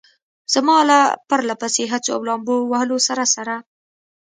زما له پرله پسې هڅو او لامبو وهلو سره سره.